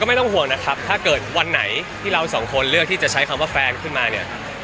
ไม่ต้องห่วงนะครับถ้าเกิดวันไหนที่เราสองคนเลือกที่จะใช้คำว่าแฟนขึ้นมาเนี่ย